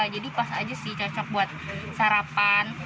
jadi pas aja sih cocok buat sarapan